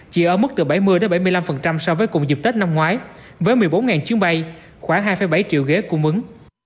chỉ ở mức từ bảy mươi bảy mươi năm so với cùng dịp tết năm ngoái với một mươi bốn chuyến bay khoảng hai bảy triệu ghế cung ứng